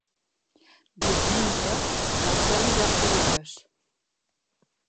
Diumenge na Cel irà a Figueres.